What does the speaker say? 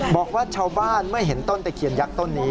บอกว่าชาวบ้านเมื่อเห็นต้นตะเคียนยักษ์ต้นนี้